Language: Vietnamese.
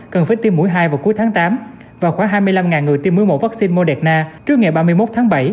cần phải tiêm mũi hai vào cuối tháng tám và khoảng hai mươi năm người tiêm mối mẫu vaccine moderna trước ngày ba mươi một tháng bảy